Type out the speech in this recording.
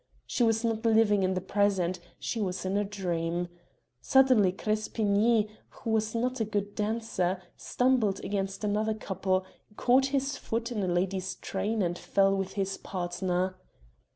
She was not living in the present she was in a dream. Suddenly Crespigny, who was not a good dancer, stumbled against another couple, caught his foot in a lady's train and fell with his partner.